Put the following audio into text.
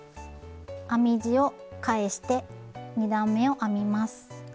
編み地を返して２段めを編みます。